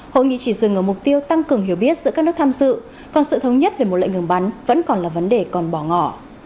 hội nghị chỉ dừng ở mục tiêu tăng cường hiểu biết giữa các nước tham dự còn sự thống nhất về một lệnh ngừng bắn vẫn còn là vấn đề còn bỏ ngỏ